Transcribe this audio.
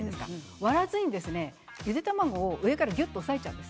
割らずにゆで卵を上からぎゅっと押さえるんです。